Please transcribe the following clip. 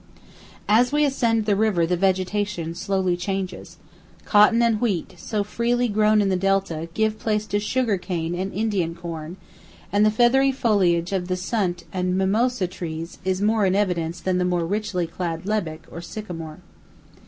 As we ascend the river the vegetation slowly changes; cotton and wheat, so freely grown in the Delta, give place to sugar cane and Indian corn, and the feathery foliage of the sunt and mimosa trees is more in evidence than the more richly clad lebbek or sycamore.